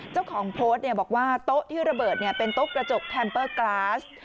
เจ้าของโพสต์บอกว่าโต๊ะที่ระเบิดเป็นโต๊ะกระจกแทมเปอร์กราส